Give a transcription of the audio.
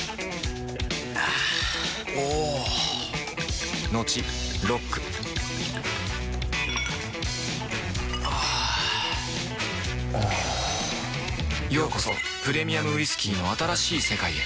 あぁおぉトクトクあぁおぉようこそプレミアムウイスキーの新しい世界へ